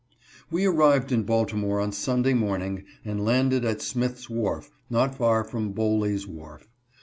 We arrived in Baltimore on Sunday morning, and landed at Smith's wharf, not far from Bowly's wharf.